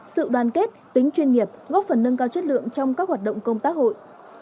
sự đoàn kết tính chuyên nghiệp góp phần nâng cao chất lượng trong các hoạt động công tác hội